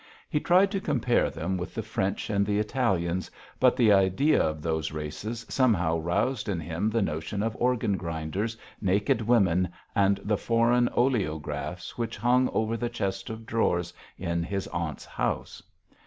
He tried to compare them with the French and the Italians, but the idea of those races somehow roused in him the notion of organ grinders, naked women, and the foreign oleographs which hung over the chest of drawers in his aunt's house.